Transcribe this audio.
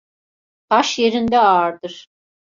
Taş, yerinde ağırdır.